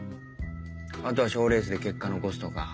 あとは賞レースで結果残すとか。